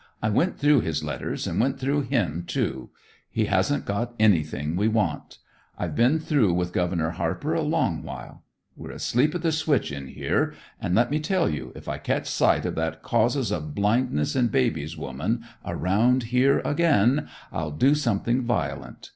I went through his letters and went through him, too. He hasn't got anything we want. I've been through with Governor Harper a long while. We're asleep at the switch in here. And let me tell you, if I catch sight of that causes of blindness in babies woman around here again, I'll do something violent.